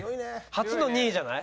初の２位じゃない？